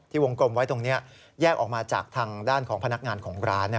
วงกลมไว้ตรงนี้แยกออกมาจากทางด้านของพนักงานของร้าน